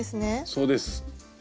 そうです。